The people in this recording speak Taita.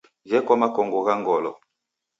Gheko makongo gha ngolo.